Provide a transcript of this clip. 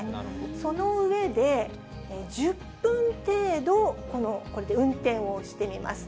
その上で、１０分程度、これで運転をしてみます。